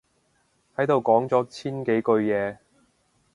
喺度講咗千幾句嘢